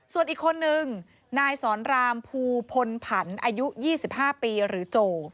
ส่วนอีกคนนึงนายสอนรามภูพลผันอายุ๒๕ปีหรือโจ